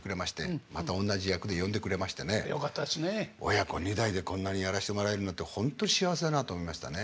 親子２代でこんなにやらせてもらえるなんてほんとに幸せだなと思いましたね。